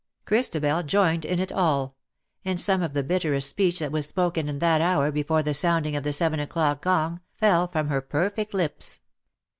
Christabel joined in it all ; and some of the bitterest speech that was spoken in that hour before the sounding of the seven o'clock gong, fell from her perfect lips.